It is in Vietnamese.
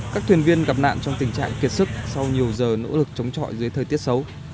các thuyền viên gặp nạn trong tình trạng kiệt sức sau nhiều giờ nỗ lực chống trọi dưới thời tiết xấu